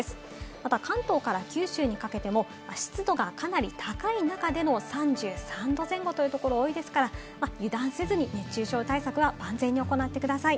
また関東から九州にかけても湿度がかなり高い中での３３度前後というところが多いですから油断せずに、熱中症対策は万全に行ってください。